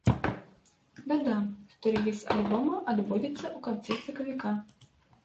Дадам, што рэліз альбома адбудзецца ў канцы сакавіка.